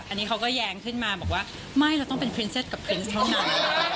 อันนี้เขาก็แย้งขึ้นมาบอกว่าไม่เราต้องเป็นพรีนเซตกับครินส์เท่านั้น